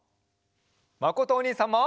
まことおにいさんも！